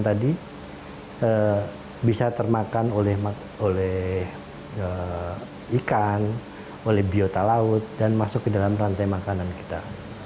jadi plastik yang tadi bisa termakan oleh ikan oleh biota laut dan masuk ke dalam rantai makanan kita